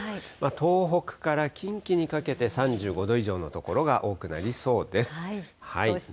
東北から近畿にかけて３５度以上の所が多くなりそうです。